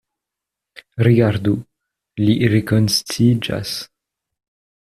Rigardu: li rekonsciiĝas.